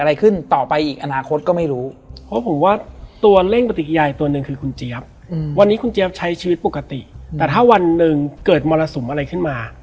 แต่ถ้าวันหนึ่งเกิดมรสุมอะไรขึ้นมา